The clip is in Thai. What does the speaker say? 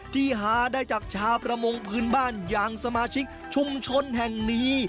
ที่หาได้จากชาวประมงพื้นบ้านอย่างสมาชิกชุมชนแห่งนี้